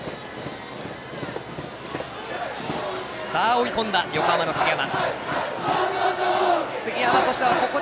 追い込んだ、横浜の杉山。